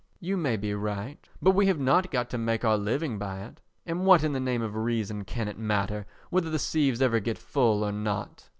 You may be right, but we have not got to make our living by it, and what in the name of reason can it matter whether the sieves ever get full or not?"